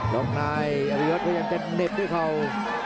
ลองนายอภิวัตพยังจะเน็ตด้วยเขา